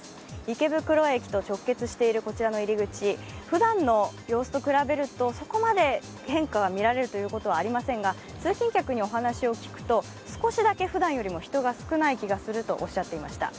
池袋駅と直結しているこちらの入り口、ふだんと比較するとそこまで変化は見られるということはありませんが、通勤客にお話を聞くと少しだけふだんよりも人が少ない気がするとおっしゃっていました。